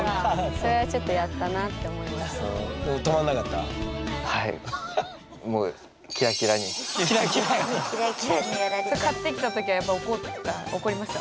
それ買った時はやっぱ怒りました？